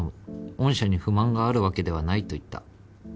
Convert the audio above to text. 御社に不満があるわけではないと言った」。